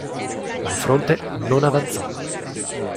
Ma il fronte non avanzò.